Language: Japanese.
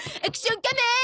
『アクション仮面』！